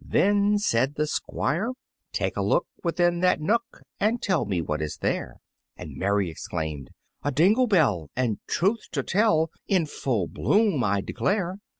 Then said the Squire, "Take a look within that nook And tell me what is there." And Mary exclaimed, "A dingle bell, and truth to tell In full bloom, I declare!"